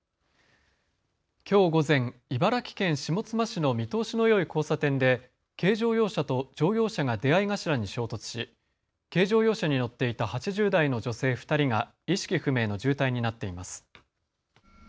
きょう午前、茨城県下妻市の見通しのよい交差点で軽乗用車と乗用車が出会い頭に衝突し軽乗用車に乗っていた８０代の女性２人が意識不明の重体になっています。